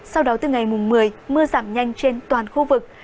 sau đó từ ngày mùng một mươi mưa giảm nhanh trên toàn khu vực